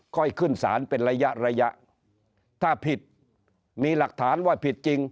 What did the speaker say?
ขึ้นศาลเป็นระยะระยะถ้าผิดมีหลักฐานว่าผิดจริง